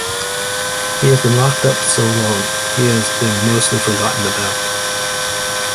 He has been locked up so long he has been mostly forgotten about.